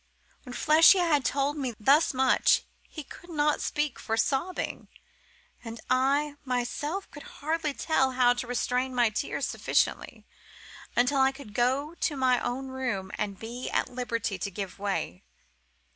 "When Flechier had told me thus much, he could not speak for sobbing; and I, myself, could hardly tell how to restrain my tears sufficiently, until I could go to my own room and be at liberty to give way.